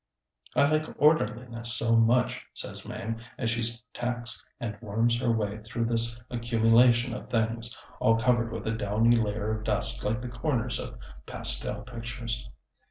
"I like orderliness so much," says Mame as she tacks and worms her way through this accumulation of things, all covered with a downy layer of dust like the corners of pastel pictures.